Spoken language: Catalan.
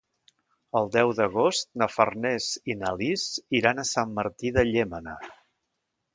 El deu d'agost na Farners i na Lis iran a Sant Martí de Llémena.